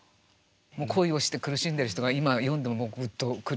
恋をして苦しんでる人が今読んでもグッと来るような。